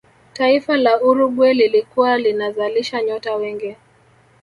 taifa la uruguay lilikuwa linazalisha nyota wengi